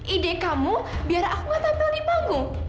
ide kamu biar aku tampil di panggung